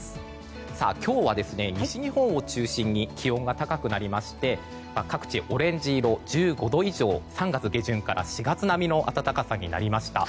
今日は西日本を中心に気温が高くなりまして各地オレンジ色の１５度以上３月下旬から４月並みの暖かさとなりました。